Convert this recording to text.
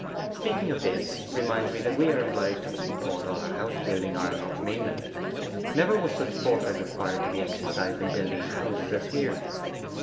'Speaking of this reminds me that we are obliged to import all our house building ironwork from England. Never was such foresight required to be exercised in building houses as here.